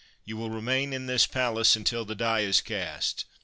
You will remain in this palace until the die is cast.